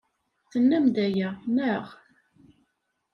Tennam-d aya, naɣ?